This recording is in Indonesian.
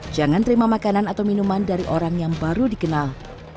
jangan terima makanan atau minuman dari orang yang baru dikenal